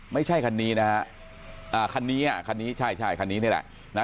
ไม่ใช่คันนี้นะครับคันนี้ใช่คันนี้นี่แหละ